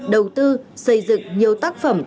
đầu tư xây dựng nhiều tác phẩm